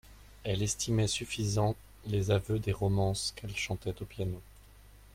Elle estimait suffisants les aveux des romances qu'elle chantait au piano.